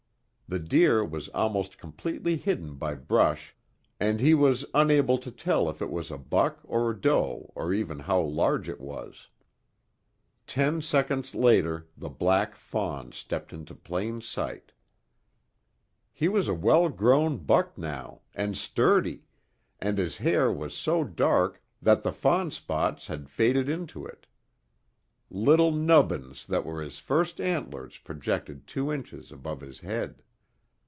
The deer was almost completely hidden by brush and he was unable to tell if it was a buck or doe or even how large it was. Ten seconds later the black fawn stepped into plain sight. He was a well grown buck now, and sturdy, and his hair was so dark that the fawn spots had faded into it. Little nubbins that were his first antlers projected two inches above his head.